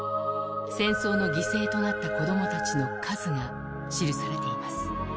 戦争の犠牲となった子どもたちの数が記されています。